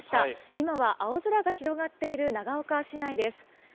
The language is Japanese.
今は青空が広がっている長岡市内です。